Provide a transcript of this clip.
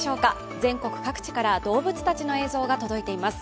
全国各地から動物たちの映像が届いています。